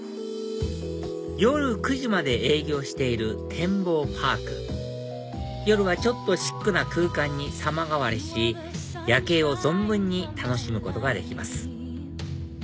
夜９時まで営業しているてんぼうパーク夜はちょっとシックな空間に様変わりし夜景を存分に楽しむことができます